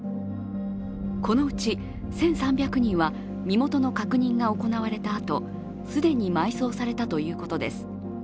このうち１３００人は身元の確認が行われたあと既に埋葬されたということです。